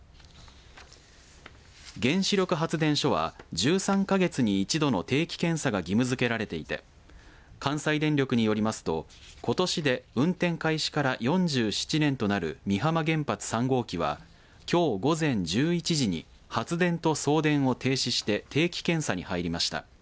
原子力発電所は１３か月に一度の定期検査が義務付けられていて関西電力によりますとことしで運転開始から４７年となる美浜原発３号機はきょう午前１１時に発電と送電を停止して定期検査に入りました。